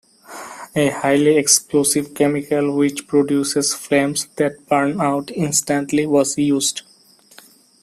A highly explosive chemical which produces flames that burn out instantly was used.